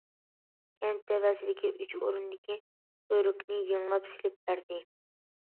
كەنت تەۋەسىدىكى ئۈچ ئورۇندىكى كۆۋرۈكنى يېڭىلاپ سېلىپ بەردى.